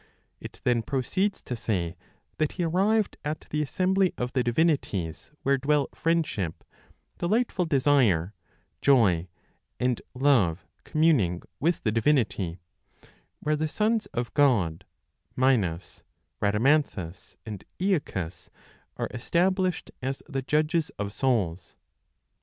It then proceeds to say that he arrived at the assembly of the divinities where dwell friendship, delightful desire, joy, and love communing with the divinity, where the sons of God, Minos, Rhadamanthus, and Aeacus are established as the judges of souls.